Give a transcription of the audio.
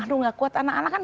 aduh gak kuat anak anak kan